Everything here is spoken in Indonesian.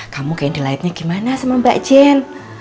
kamu kayaknya di layaknya gimana sama mbak jen